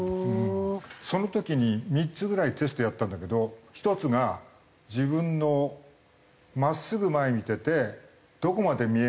その時に３つぐらいテストやったんだけど１つが自分の真っすぐ前見ててどこまで見えますか？という。